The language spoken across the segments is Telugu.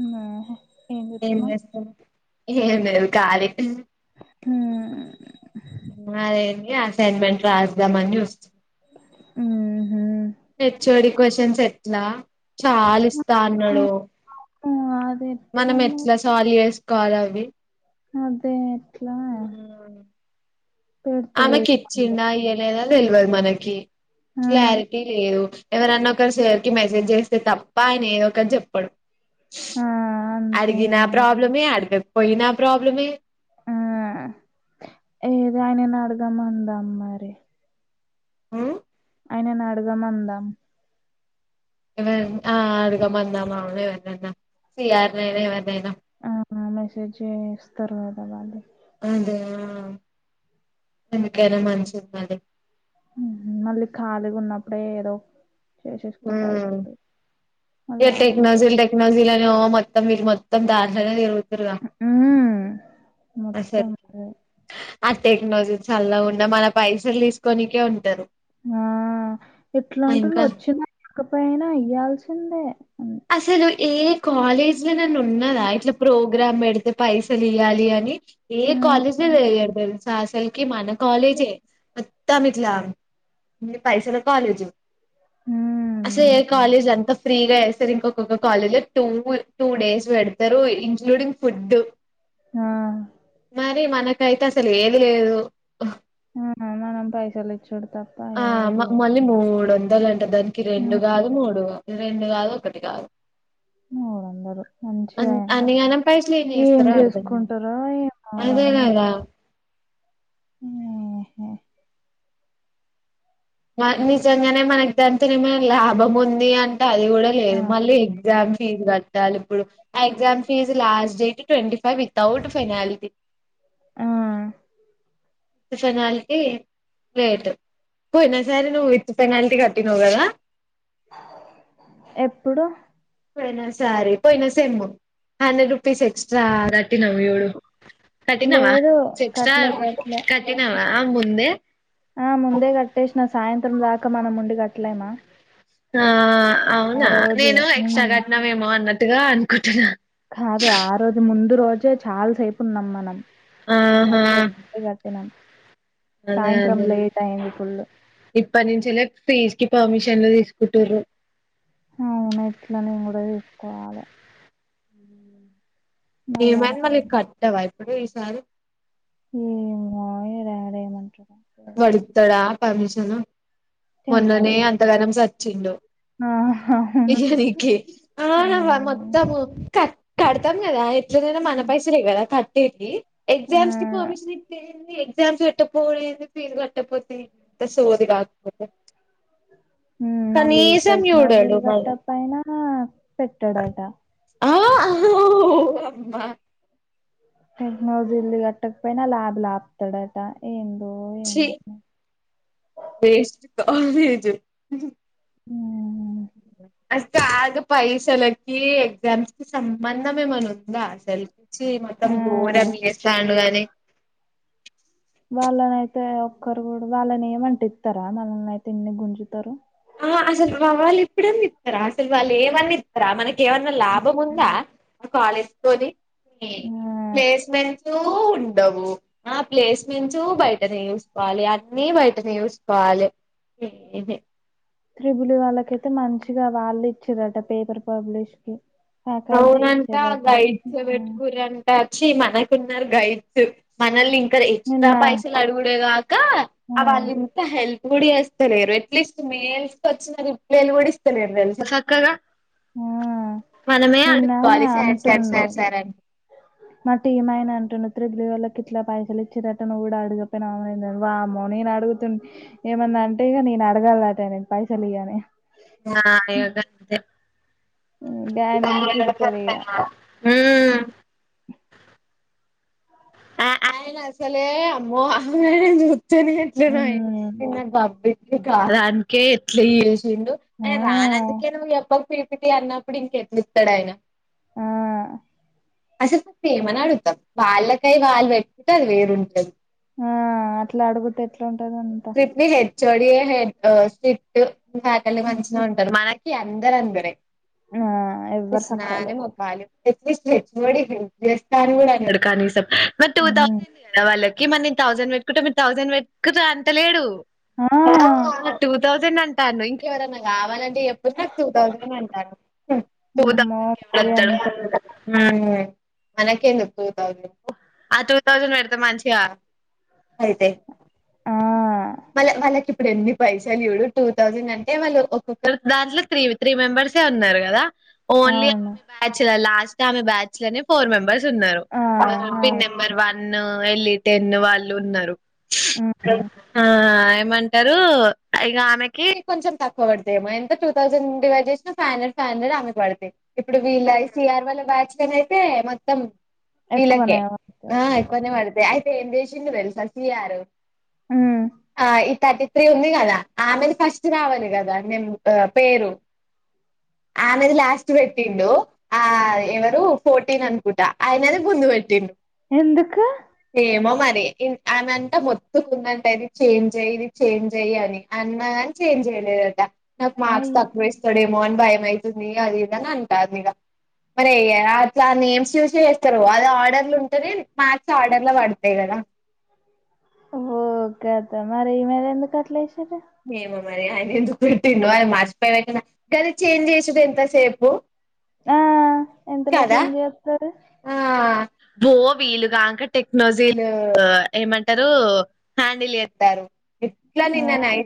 ఉమ్ ఏం లేదు కాలి హ్మ్ ఏ అసైన్మెంట్ రాద్దామని చూస్తు ఉ హెచ్ఓడి క్వశ్చన్స్ ఎట్లా చాల ఇస్తా అన్నాడు ఆ అది మనం ఎట్లా సాల్వ్ చేస్ కోవలవి అదే ఎట్లా ఆమెకి పెడతలేదు అంది. ఇచ్చిండా ఇయ్యలేదా తెల్వదు మనకి ఆ క్లారిటీ లేదు ఎవరన్నా ఒకరు సర్ కి మెసేజ్ చేస్తే తప్ప ఐన ఏదొ ఒకటి చెప్పడు ఆ అంతే అడిగినా అండి ప్రాబ్లమే అడిగకపోయినా ప్రాబ్లమే ఆ ఏదో ఆయనని అడగమందాం మరి ఉమ్, ఆయనని అడగమందాం ఎవ ఆ అడగమందాం అవును ఎవరినన్నా సిఆర్ నైనా ఎవరినైనా ఆ మెసేజేస్తతరు గద వాళ్లు అదే ఆ ఎందుకైనా మంచిది అడిగి మళ్ళీ ఖాళీగా ఉన్నప్పుడే ఏదో చేసేసుకుంటే మ్మ్ అయిపోతది ఇగ మళ్ళీ ఆగమాగం టెక్నజీలు టెక్నాలజీలు అని ఓ మొత్ మొత్తం మీరు మొత్తం దాంట్లనే తిరు రుగ ఉమ్ మొత్తం అసలు అదే అంతే టెక్నలజీ చల్లగుండ మన పైసలు తీసుకొనికే ఉంటరు ఆ ఎట్లాంటుండ ఇంకా వచ్చింది లేకపోయినా ఇయ్యాల్సిందే హ్మ్. అసలు ఏ కాలేజ్ లో అన ఉన్నదా ఇట్లా ప్రో గ్రాం పెడితే పైసలు ఇయ్యాలి అని ఏ కాలేజీ చేయరు తెలుసా అసలుకి మనకు ఆ! కాలేజే మొత్తం ఇట్లా పైసల కాలేజు అసలే హ్మ్. ఏ ఆ! కాలేజ్ అంతా ఫ్రీగా స ఇంకొక్కొక్క కాలేజీ లో టూ టూ డేస్ పెడతరు ఇంక్లూడింగ్ ఫుడ్డు మరి మనకైతే అసలు ఏది లేదు ఆ! మనం పైసలిచ్చుడు తప్ప ఆ ఏది లేదు. మళ్లీ ముడొందల్ ద్దలంట దానికి రెండు హ్మ్. కాదు మూడు కాదు రెండు కాదు ఒకటి కాదు అ అన్ మంచిగా అన్నిగనం పైసలు ఏం చేస్తారా అర్థం గాదు జేసుకుంటారో ఏమో అదే కాదా ఆహ నిజంగానే మనకు దాంతోనేమన్న లాభం ఉంది అం అది గుడ ఆ! లేదు మళ్ళీ ఏం ఎగ్జామ్ ఫీజ్ లేదు. కట్టాలి ఇప్పుడు ఆ exam fees last date twenty five without finality ఆ ఫెనాల్టీ లేట్ నవ్ గద ఎప్పుడు పోయినా సారీ పోయిన సెమ్ము హండ్రెడ్ రూపీస్ ఎక్స్ట్రా క కట్టినవు జుడు కట్టినవా లేదు. ఎక్స్ట కట్టలే, కట్టలే. కట్టినవా ముందే ఆ ముందే కట్టేసిన సాయంత్రం దాకా మనం ఉండి కట్టలేమా ఆ అవునా నేను ఎక్స్ట్రా హ్మ్. కట్టినవేమో అన్నట్టుగా అనుకుంటున్నా కాదు ఆ రోజు ముందు రోజే చాలాసేపు ఉన్నాం మనం ఆహా కట్టిణం [inaudible] అదే అదే ఫుల్ ఎప్పటి నుంచి ఫీస్కి పర్మిషన్ ఎంత తీసుకుంటారు అవున ఇట్ల నేను కూడా తీసుకోవాలి మళ్ళా ఏమని రా మళ్ళీ కట్టవా ఇప్పుడు ఈసారి ఏమో ఏం [inaudible] వడుస్తాడా పర్మిషన్ టెన్ మొన్ననే థౌసండ్ అంతగానం సచ్చిండు అవును ఎవరికి కడతాం కదా ఎట్లదైనా మన ఆ, పైసలే కదా కట్టేది ఎగ్జామ్స్ కి ఆ, పర్మిషన్ ఇస్తే ఎక్జామ్స్ పెట్టపోడు ఏంది ఫీస్ కట్టపోతే ఎంత సోది గాకపోతే ఉమ్ మళ్ళీ టెగ్నోజల్ చూడడు మళ్ళ గట్ట పైన పెట్టాడట. ఆ అమ్మా టక్న జిల్లీ కట్టకపోయిన ల్యాబ్ అపుతాడంత ఏందొ చి వేస్ట్ కాలేజీ ఉమ్, అసలు ఆగ పైసలికి ఎగ్జామ్స్ కి సంబంధం ఏమైనా ఉందా అసలికి చి ఆ, మొత్తం గోరంగా చేస్తాండు కాదనీ ఒకరు కూడా వాళ్ళని ఇయ మంటే ఇస్తారా మనల్ని అయితే ఇన్ని గుంజుతారు ఆ అసలు వాళ్ళు ఎప్పుడన్న ఇస్తారా అసలు వాళ్ళు ఏవన్న ఇస్తారా మనకి ఏవన్నా లాభం ఉందా కాలేజీ తోనీ ప్లేస్మెంట్స్ ఉ ఆ ప్లేస్మెంస్ బయటని చూసుకోవాలి అన్ని బయటని చూసుకోవాలి ఏ ఇదే త్రిబులి వాళ్ళకైతే మంచిగా వాళ్ళు ఇచ్చారట పేపర్ పబ్లిష్ కి ఫ్యాకల్టీ అవునంటా ఇచ్చిరట గ ఇచ్చ ఉమ్ పెట్టుకుర్రంట. ఛీ మనకున్నారు గైడ్స్ మనల్ని సరే ఎక్స్ట్రా నిన్న పైసలు అడుగుడేగాక ఆ అ వాళ్ళు ఇంత హెల్ప్ గుడి వేస్తలేరు అట్లీస్ట్ మేల్స్కొచ్చిన రిప్లేలు కుడ ఇస్తలేరు తెల్సా చక్కగా ఆ మనమే నిన్న అడుక్కోవాలి సార్ సార్ అంటుండు. సార్ సార్ అని మా టీమాయనా అంటుండు త్రెడ్లీవల్ ఇట్లా పైసలు ఇచ్చిరట నువ్వు కూడా అడగకపోయినా వామ్మో నేను అడుగుతు ఏమన్నా అంటే ఇగ నే నేను అడగాలట నేను పైసలీ అని ఆ యోగా తే గాయన ఎందుకు ఇత్తడు [unintelligible] ఇగ తున్నారు. ఉమ్ ఆ ఆయనాసలే అమ్మో ఉమ్ [unintelligible] బబ్బీ కాడానికే ఎట్లా చండు ఆ ఆయన రానందుకే నువ్వు చెప్పక పిపి అన్నప్పుడు ఇంకెమ్ పీకుతాడు ఆయన ఆ అసలు ఏమని అడుగుతాం వాళ్ళకై వాళ్ళు పెట్టిటే అది వేరుంటది ఆ అట్లా అడుగుతే ఎట్లుం స్ట్రిప్ట్ని హెచ్ఒడి హెడ్ స్ట్రిప్ట్ ఫ్యాకల్టీ ఉమ్ మంచిగా ఉంటరు మనకి అందరు అందరే ఆ! ఎవ్వరు సక్కాలే. పిస్నారి మొఖాలు అట్లీస్ట్ హెచ్ఒడి హెల్ప్ చేస్తా అని కూడా అన్నాడు కనీసం మరి టు హ్మ్. థౌసండ్ కదా వాళ్ళ ఇక మరి నేను థౌజండ్ పెట్కుటే మీరు థౌసండ్ పెట్కుటా అంటాలేడు ఆ టూ థౌసండ్ అంటాండు ఇంకెవరన్నా కావాలంటే చెప్పు నాకు టూ థౌసండ్ అంటాండు ఫోర్ అమ్మో! థౌసండ్ ఇంకెవడు మరి కట్తాడు అంత అని అంటాండు ఉమ్ మనకేందుకు టూ థౌసండ్ ఆ టూ థౌసండ్ పెడితే మంచిగా అయితే ఆ! మళ్ళ వాళ్ళకి ఇప్పుడు ఎన్ని పైసలు చూడు టూ థౌసండ్ అంటే వాళ్ళు ఒక్కొక్క దాంట్లో త్రీ వెెెెతు త్రీ మెంబర్సే ఉన్నారు కదా ఓన్లీ అవును. ఆమె బ్యాచ్ల లాస్ట్ ఆమె బ్యాచలనే ఫోర్ మెంబర్ ఉన్నారు ఆ! అవును. నెంబర్ వన్ ఎల్ టెన్ వాళ్ళు ఉన్నారు. హ్మ్. టైమ్ అంటరు ఇగ ఆమెకి కొంచెం తక్కువ పడ్తయేమో ఎంత టూ థౌసండ్ డివైడ్ చేసిన ఫైవ్ ఫైవ్ హండ్రెడ్ ఆమెకు పడతాయి. ఇప్పుడు వీళ్ళ సిఆర్ వాల్ల బ్యాచ్ కని అయితే మొత్తం వీళ్లకే ఎక్కువనే పడతది. ఆ ఎక్కువనే పడతయ్ అయితే ఏం చేసిండో తెలుసా సిఆరు హ్మ్. ఆ ఇ థర్టీ త్రీ ఉంది కదా ఆమెది ఫస్ట్ రావాలి కదా నేమ్ పేరు ఆమెది లాస్ట్ పెట్టిండు ఆ ఎవరు ఫోర్టీన్ అనుకుటా ఆయనది ముందు పెట్టిండు. ఎందుకు ఇం ఆమెంతా మొత్తుకుంద ఇది చేంజ్ అయ్యి ఇది చేంజ్ అయ్యి అని అన్నా కాని చేంజ్ చెయ్యలేదట నాకు మార్క్స్ అయ్! తక్కువ ఏస్తాడుమో అన్ భయంమైతుంది అది ఇద అంటాది ఇగ మరియ అట్లా నేమ్స్ చూసి ఏస్తరు అది ఆర్డర్లు ఉంటేనే మ్యాథ్స్ ఆర్డర్ లో పడతయ్ కదా ఓకేద మరి ఈమెల్ ఎందుకు అట్లే ఏమో మరి ఆయన ఎందుకుపెట్టిండో అది మర్చిపోయి పెట్టినా కానీ ఛేంజ్ చేసేది ఎంతసేపు ఆ! ఎంతలో కదా చేంజ్ జేత్తరు? ఆ ఓ వీలుగాంక టెక్నోజీలు ఏమంటారు హ్యాండిల్ చేత్తారు. ఇట్లా ఆ! నిన్న నై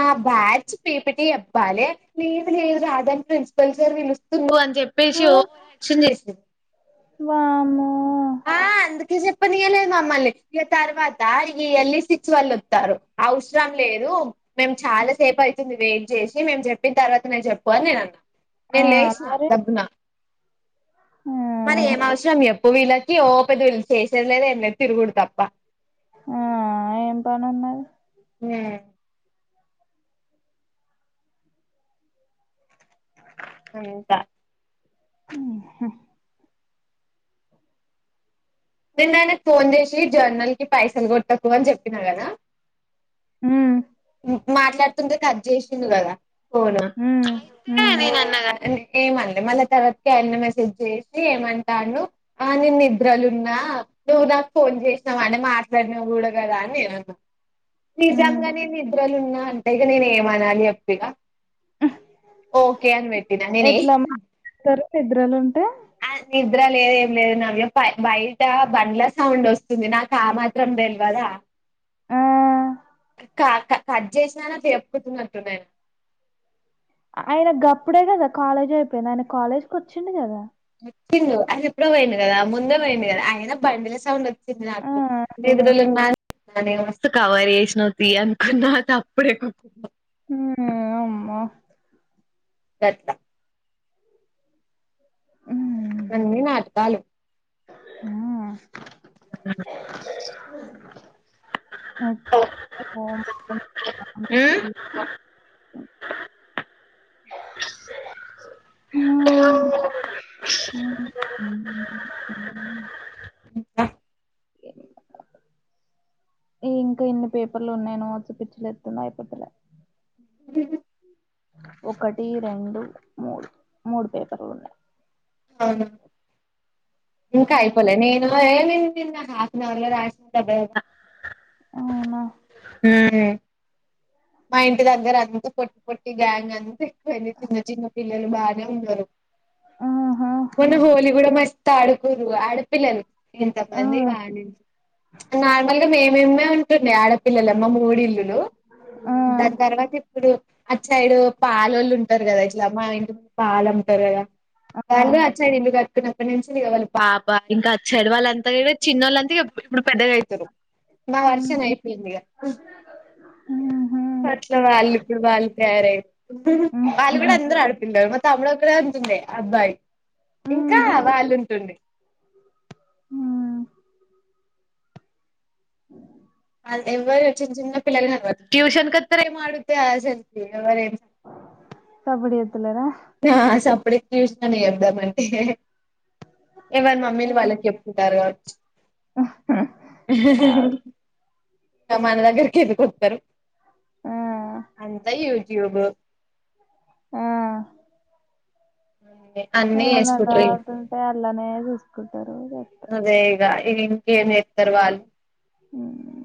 నా బ్యాచ్ పీపిటీ చెప్పాలి లేదు లేదు రాదని ప్రిన్సిపల్ సార్ పిలుస్తు అ చెప్పేసి ఆ! ఒవరాక్షన్ చేసింది వామ్మో! ఆ అందు చెప్పనియ లేదు మమ్మల్ని ఇక తర్వాత ఇయ్యి ఎల్లి సిక్స్ వాళ్ళు వత్తారు అవసరం లేదు మేము చాలా సేపు అవుతుంది వెయిట్ చేసి, మేము చెప్పిన తర్వాత నేను చెప్పు అని నేను అన్నా. ఆ! నేను లేసిన మరి? డబ్బున. మరి ఆహా! ఏం అవసరం ఎప్ వీళ్ళకి ఓ పెద్ద వీళ్లు చేసేదిలేదు ఏం లేదు తిరుగుడు తప్ప. ఆ ఏం పనున్నది. ఏ అంట ఉహు నిన్న ఆయనకు ఫోన్ చేసి జర్నల్ కి పైసలు కొట్టకు అని చెప్పిన కదా. ఉమ్ మాట్లాడుతుంటె కట్ చేసిండు కదా ఫోను హ్మ్. హ్మ్. ఏమన్లే మళ్ళా తర్వాతకి ఆయన్నే మెసేజ్ చేసి ఏమంటాండు, ఆ నేన్ నిద్రలున్నా నువ్వు నాకు ఫోన్ చేసినవు అంటె మాట్లాడినవు గుడ కదా అని నేనన్నా. హ్మ్. నిజంగనే నేను నిద్రలు ఉన్నా అంటే, ఇగ నేను ఏమనాలి చెప్పిగా. ఓకే అని వెట్టిన నెనీ తరు నిద్రలుంటే నిద్ర లేదు ఏం లేదు నవ్య, బ బయట బండ్ల సౌండ్ ఒస్తుంది, నాకు ఆ మాత్రం తెలివదా ఆ క క కట్ చేసినాన చెప్పుతున్నట్టున్నట్టున్నది. ఆయన గప్ప కాలేజ్ అయిపోయింది ఆయన కాలేజ్కి వచ్చింది కదా. పిండు అది ఎప్పుడో పోయింది కదా, ముందే పోయింది కదా, ఐన బండిల సౌండ్ వత్ చెప్పిన ఆ అత్తు ఆ [unintelligible] ననే మస్తు కవర్ చేసినవ్ తీ అనుకున్నా అప్పుడేకూకున్న ఉహు అమ్మో పెడ్తా అన్ని నాటకాలు ఆ అ స ఓ ఓకే. ఓహ్! హ్మ్. ఉమ్ ఆ ఈ ఇంకా ఇన్ని పేపర్లు ఉంన్నేనో చూ పిచ్చి లేతుంది అయిపోతలే ఒకటి, రెండు, మూడు. మూడు పేపర్లు ఉన్నయి. ఇంకాయిపోలే నేను మిన్ తిన్ హాఫ్ అన్ అవర్ల రాసెత్త దగ్గరున్న అవునా ఆ మా ఇంటి దగ్గర అంత పొట్టి పొట్టి గ్యాంగ్ అంత ఎక్కువైంది, చిన్న చిన్న పిల్లలు బానే ఉన్నరు. ఆహా మొన్న హోలీ గుడా మస్త్ ఆడుకుర్రు ఆడపిల్లలు. ఆ నార్మల్గా మే మేమ్మే ఉంటుండే ఆడపిల్లలం మా మూడిల్లులు ఆ దాని తర్వాత ఇప్పుడు అట్ సైడు పాలొల్లు ఉంటరు కదా ఇట్ల, మా ఇంటి ముందు పాలు అమ్ముతరు వాళ్లే ఆ అటు సైడ్ ఇల్లు కట్టుకున్నప్పటినుంచి పాప ఇంకా అటు సైడ్ వాళ్ళంతా చిన్నోలంతా ఇగ ఇప్ ఇప్పుడు పెద్దగయితుర్రూ నా వర్షనయిపోందిగ అట్ల వాళ్ళు ఇప్పుడు వాళ్ళు తయారైరు, వాళ్ళు గుడ అందరు ఆడపిల్లలు, మా తమ్ముడు ఒక్కడే ఉంటుండే అబ్బాయి ఇంకా వాళ్ళుంటుండే ఉమ్ ఎవరు చిన్న చిన్న పిల్లలు, ట్యూషన్ కత్తరేమో అడిగుతే కాదా అసలికి ఎవరేం సప్పుడు చేత్తలేరా ఆ సప్పుడేక చూసిననే ఆ చెప్దాం అంటే ఎవరి మమ్మీలు వాళ్ళకి చెప్పుకుంటారు క ఆ ఇంకా మన దగ్గరికి ఎందుకు ఒత్తరు అంతా యూట్యూబ్ ఆ అన్ని ఏమన్నా చేసుకుంటారు డౌట్స్ వుతుంటే అల్నే చూసుకుంటారు గంతే ఇంకేమి చేత్తారు వాళ్ళు హ్మ్